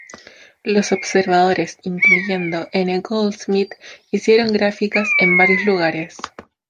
Los observadores, incluyendo N. Goldsmith hicieron gráficas en varios lugares.